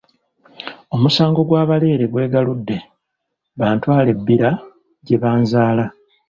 Omusango gw’abalere gwe galudde, bantwale e Bbira gye banzaala.